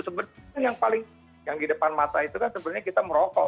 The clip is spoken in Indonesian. sebenarnya yang paling yang di depan mata itu kan sebenarnya kita merokok